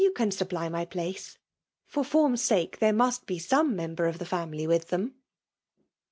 can supply my place. Rmt fom'a sake, there must be some member of tho' family with them.'